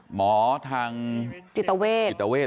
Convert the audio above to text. หมอทางจิตเตอเวทฯ